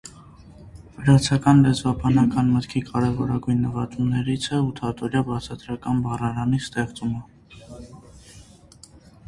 Վրացական լեզվաբանական մտքի կարևորագույն նվաճումներից է ութհատորյա բացատրական բառարանի ստեղծումը։